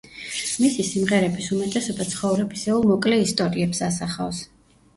მისი სიმღერების უმეტესობა ცხოვრებისეულ მოკლე ისტორიებს ასახავს.